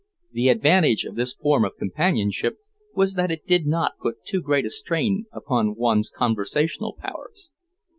The advantage of this form of companionship was that it did not put too great a strain upon one's conversational powers.